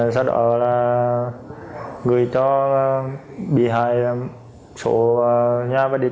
sau đó cố gources và chuẩn bị approached